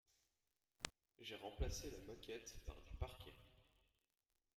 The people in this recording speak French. J'ai remplacé la moquette par du parquet.